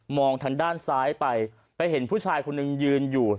องทางด้านซ้ายไปไปเห็นผู้ชายคนหนึ่งยืนอยู่